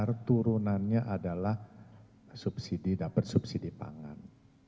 kartu pintar turunannya adalah dapet subsidi pangan